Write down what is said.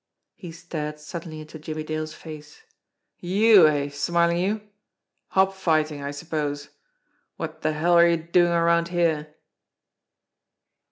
He stared suddenly into Jimmie Dale's face. "You, eh, Smarlinghue? Hop fighting, I suppose! What the hell are you doing around here?"